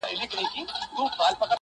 • خو هغه کړو چي بادار مو خوشالیږي -